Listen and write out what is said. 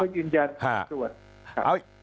แล้วก็ยืนยันตรวจ